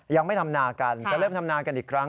ยังไม่ทำนากันจะเริ่มทำนากันอีกครั้ง